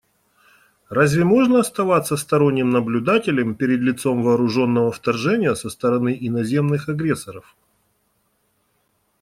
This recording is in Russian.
Разве можно оставаться сторонним наблюдателем перед лицом вооруженного вторжения со стороны иноземных агрессоров?